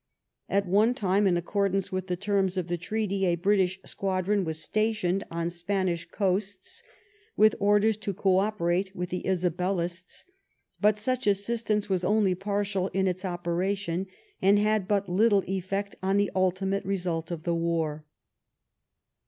At one time, in accordance with the terms of the Treaty, a. British squadron was stationed on Spanish coasts with orders to co operate with the Isabellists ; but such assistance was only partial in its operation, and had but little effect on the ultimate result of the war.